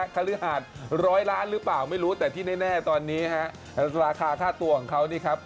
คฤหาดร้อยล้านหรือเปล่าไม่รู้แต่ที่แน่ตอนนี้ฮะราคาค่าตัวของเขานี่ครับ